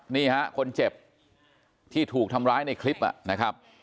นี่ฮะคนเจ็บที่ถูกทำร้ายในคลิปนะครับ